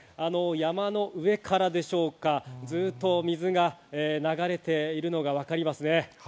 山の上からでしょうか、ずっと水が流れているのが分かります。